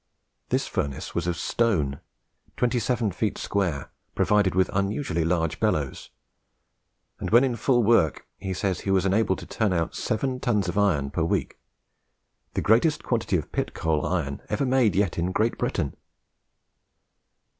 This furnace was of stone, twenty seven feet square, provided with unusually large bellows; and when in full work he says he was enabled to turn out seven tons of iron per week, "the greatest quantity of pit coal iron ever yet made in Great Britain."